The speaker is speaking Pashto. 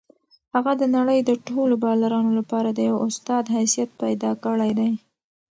هغه د نړۍ د ټولو بالرانو لپاره د یو استاد حیثیت پیدا کړی دی.